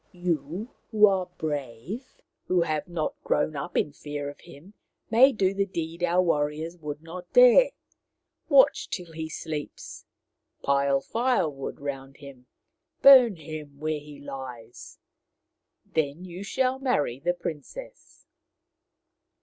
" You, who are brave, who have not grown up in the fear of him, may do the deed our warriors would not dare. Watch till he sleeps, pile firewood round him, burn him where he lies. Then you shall marry the princess.